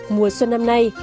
mùa xuân năm nay